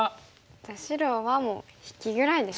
じゃあ白はもう引きぐらいですかね。